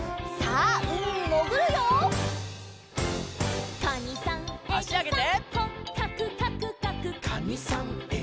あしあげて。